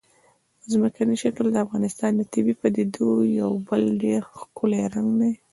ځمکنی شکل د افغانستان د طبیعي پدیدو یو بل ډېر ښکلی رنګ دی.